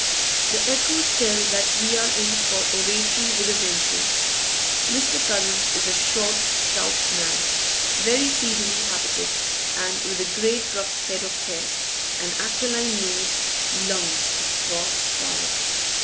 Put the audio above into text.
The echoes tell that we are in for oratory with a vengeance. Mr. Cullen is a short, stout man, very seedily habited, with a great rough head of hair, an aquiline nose, lungs of vast power.